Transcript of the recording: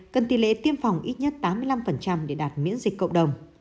cần tỷ lệ tiêm phòng ít nhất tám mươi năm để đạt miễn dịch cộng đồng